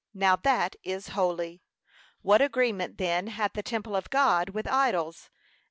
Now that is holy. What agreement then hath the temple of God with idols?